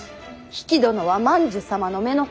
比企殿は万寿様の乳母。